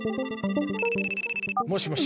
もしもし。